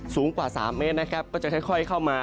สูงกว่า๓เมตรนะครับก็จะค่อยเข้ามา